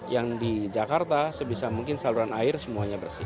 yang di jakarta sebisa mungkin saluran air semuanya bersih